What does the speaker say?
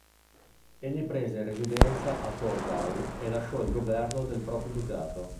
Egli prese residenza a Torgau e lasciò il governo del proprio ducato.